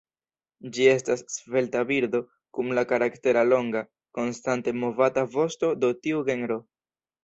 Ĝi estas svelta birdo, kun la karaktera longa, konstante movata vosto do tiu genro.